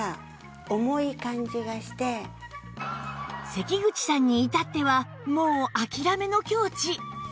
関口さんに至ってはもう諦めの境地